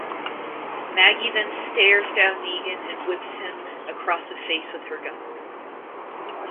Maggie then stares down Negan and whips him across the face with her gun.